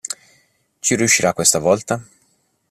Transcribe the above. Ci riuscirà questa volta?